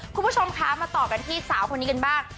คุณผู้ชมคะมาต่อกันที่สาวคนนี้กันบ้าง